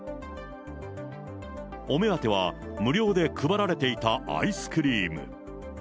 お目当ては、無料で配られていたアイスクリーム。